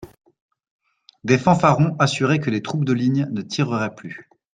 Des fanfarons assuraient que les troupes de ligne ne tireraient plus.